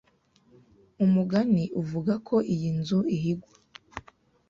Umugani uvuga ko iyi nzu ihigwa.